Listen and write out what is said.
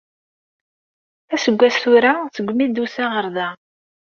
Aseggas tura segmi d-tusa ɣer da.